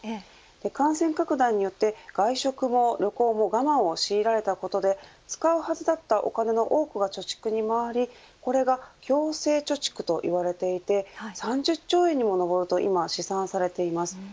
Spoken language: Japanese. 感染拡大によって外食も旅行も我慢を強いられたことで使うはずだったお金の多くが貯蓄に回り、これが強制貯蓄といわれていて３０兆円にも上ると今、試算されています。